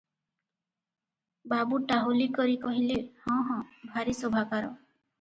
ବାବୁ ଟାହୁଲି କରି କହିଲେ - ହଁ, ହଁ, ଭାରି ଶୋଭାକାର ।